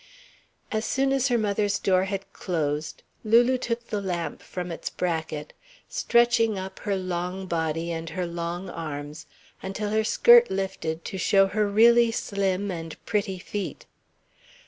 As soon as her mother's door had closed, Lulu took the lamp from its bracket, stretching up her long body and her long arms until her skirt lifted to show her really slim and pretty feet.